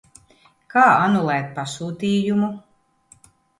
Kā anulēt pasūtījumu?